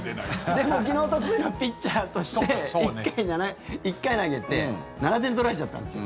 でも、昨日、おとといピッチャーとして１回投げて７点取られちゃったんですよ。